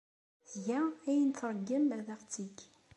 Tga ayen ay tṛeggem ad aɣ-t-teg.